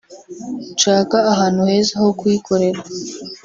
nshaka ahantu heza ho kuyikorera